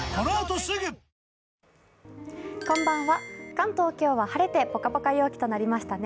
関東、今日晴れてポカポカ陽気となりましたね。